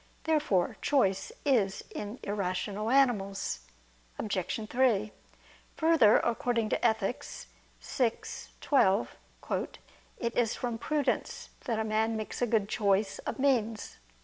Therefore choice is in irrational animals. Obj. 3: Further, according to Ethic. vi, 12, "it is from prudence that a man makes a good choice of means."